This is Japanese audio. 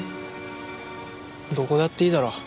どこだっていいだろ。